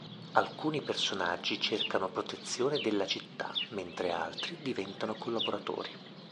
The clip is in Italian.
Alcuni personaggi cercano protezione della città, mentre altri diventano collaboratori.